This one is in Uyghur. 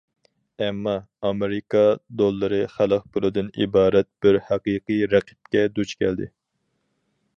ئەمما ئامېرىكا دوللىرى خەلق پۇلىدىن ئىبارەت بىر ھەقىقىي رەقىبكە دۇچ كەلدى.